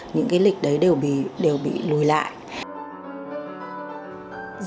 những cái lịch đấy đều bị lùi lại